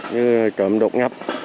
như trộm đột ngập